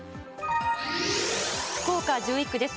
福岡１１区です。